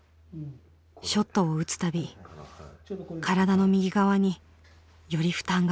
ショットを打つ度身体の右側により負担がかかる。